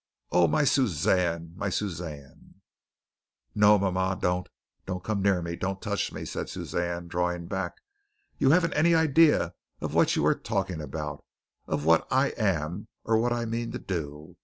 Oh, my Suzanne! My Suzanne!" "No, mama, no. Don't come near, don't touch me," said Suzanne, drawing back. "You haven't any idea of what you are talking about, of what I am, or what I mean to do.